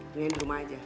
bungain di rumah aja